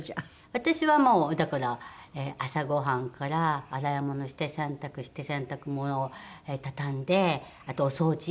私はもうだから朝ごはんから洗い物して洗濯して洗濯物を畳んであとお掃除。